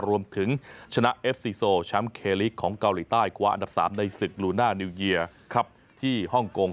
รวมถึงชนะเอฟซีโซแชมป์เคลิกของเกาหลีใต้คว้าอันดับ๓ในศึกลูน่านิวเยียครับที่ฮ่องกง